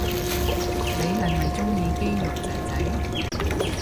你係咪鍾意肌肉仔仔